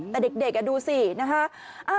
แต่เด็กดูสินะคะ